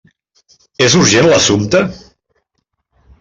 És urgent l'assumpte?